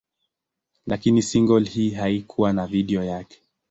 Lakini single hii haikuwa na video yake.